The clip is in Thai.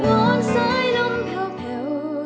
วนซ้ายลมเพล่ว